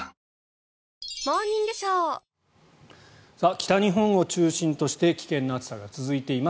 北日本を中心として危険な暑さが続いています。